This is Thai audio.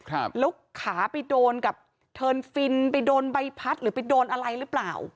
ครับแล้วขาไปโดนกับเทินฟินไปโดนใบพัดหรือไปโดนอะไรหรือเปล่า